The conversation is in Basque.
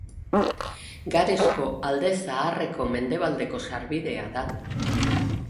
Garesko Alde Zaharreko mendebaldeko sarbidea da.